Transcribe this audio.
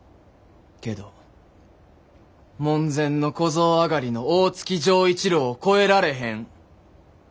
けど門前の小僧上がりの大月錠一郎を超えられへん。